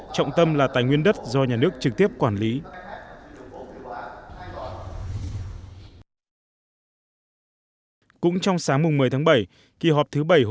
trọng tâm là tài nguyên đất do nhà nước trực tiếp quản lý